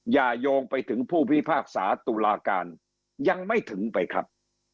อย่ายงไปถึงผู้วิภาคศาสตร์ตุลาการยังไม่ถึงไปครับ